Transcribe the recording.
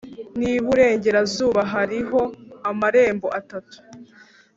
n’iburengerazuba hariho amarembo atatu.